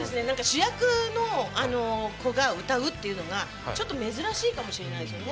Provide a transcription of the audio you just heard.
主役の子が歌うっていうのがちょっと、珍しいかもしれないですよね。